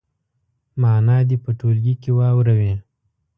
معنا دې په ټولګي کې واوروي.